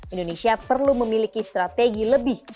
indonesia perlu memiliki strategi lebih